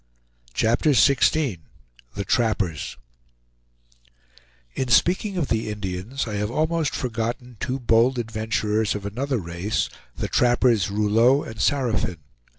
CHAPTER XVI THE TRAPPERS In speaking of the Indians, I have almost forgotten two bold adventurers of another race, the trappers Rouleau and Saraphin.